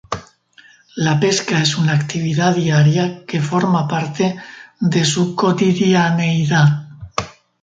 La pesca es una actividad diaria que forma parte de su cotidianeidad.